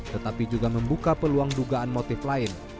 tetapi juga membuka peluang dugaan motif lain